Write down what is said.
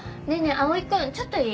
蒼君ちょっといい？